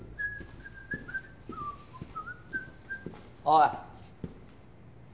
おい。